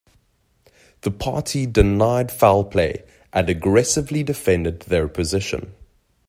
The party denied foul play and aggressively defended their position.